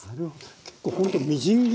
結構ほんとみじん切りぐらいね